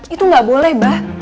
itu nggak boleh bah